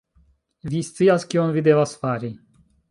vi scias kion vi devas fari